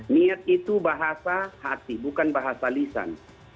niat itu bahasa hati bukan bahasa lisan